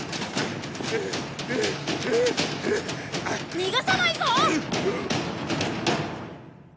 逃がさないぞ！